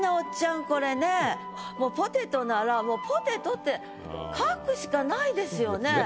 もうポテトならもう「ポテト」って書くしかないですよね。